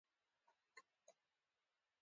د ماش ګل د څه لپاره وکاروم؟